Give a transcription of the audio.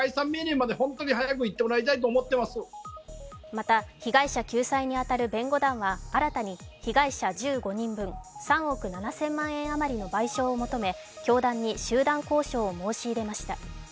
また被害者救済に当たる弁護団は新たに被害者１５人分、３億７０００万円余りの賠償を求め教団に集団交渉を申し入れました。